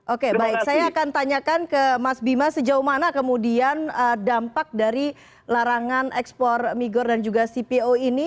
oke baik saya akan tanyakan ke mas bima sejauh mana kemudian dampak dari larangan ekspor migor dan juga cpo ini